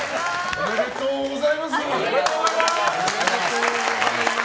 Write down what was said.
ありがとうございます。